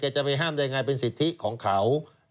จะไปห้ามได้ไงเป็นสิทธิของเขา